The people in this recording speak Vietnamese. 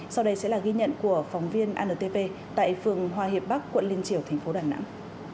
sau đây sẽ là ghi nhận của phóng viên antv tại phường hòa hiệp bắc quận liên triều thành phố đà nẵng